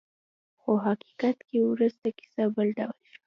خو په حقیقت کې وروسته کیسه بل ډول شوه.